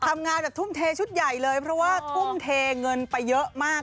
ทำงานแบบทุ่มเทชุดใหญ่เลยเพราะว่าทุ่มเทเงินไปเยอะมาก